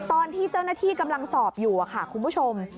ตอนที่เจ้าหน้าที่กำลังสอบอยู่ค่ะคุณผู้ชม